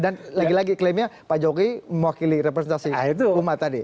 dan lagi lagi klaimnya pak jokowi mewakili representasi umat tadi